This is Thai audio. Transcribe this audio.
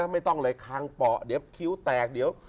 ไม่ต้องเลยคางเปาะเดี๋ยวคิ้วแตกเดี๋ยว